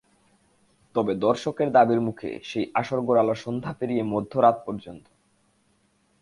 তবে দর্শকের দাবির মুখে সেই আসর গড়াল সন্ধ্যা পেরিয়ে মধ্যরাত পর্যন্ত।